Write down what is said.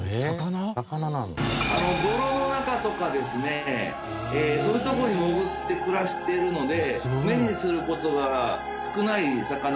泥の中とかですねそういう所に潜って暮らしてるので目にする事が少ない魚でして。